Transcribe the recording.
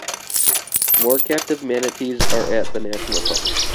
More captive manatees are at the National Park.